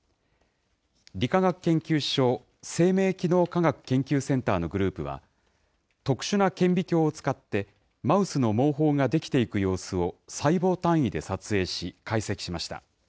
理化学研究所生命機能科学研究センターのグループは、特殊な顕微鏡を使って、マウスの毛包が出来ていく様子を細胞単位で撮影し、解析しました。